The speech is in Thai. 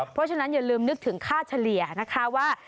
เพราะฉะนั้นอย่าลืมนึกถึงค่าเฉลี่ยนะคะว่า